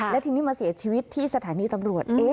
และทีนี้มาเสียชีวิตที่สถานีตำรวจ